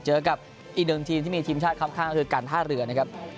เจอกับอีกหนึ่งทีมที่มีทีมชาติครับข้างก็คือการท่าเรือนะครับ